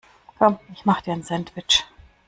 Komm ich mach dir ein Sandwich.